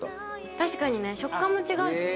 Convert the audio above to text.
確かにね食感も違うしね